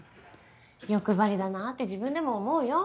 欲張りだなって自分でも思うよ。